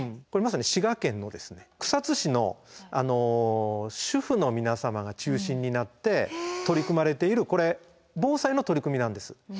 これまさに滋賀県の草津市の主婦の皆様が中心になって取り組まれているこれ防災の取り組みなんです。